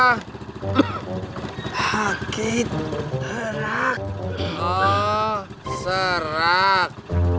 hakit serak serak